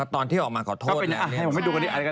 ตอนที่ออกมาขอโทษแล้วเอาให้ให้พี่ดูกันแล้วกัน